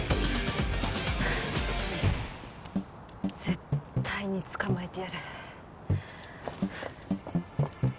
絶対に捕まえてやる。